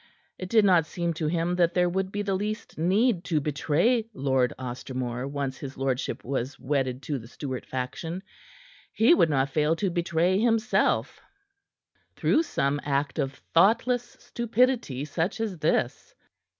It did not seem to him that there would be the least need to betray Lord Ostermore once his lordship was wedded to the Stuart faction. He would not fail to betray himself through some act of thoughtless stupidity such as this.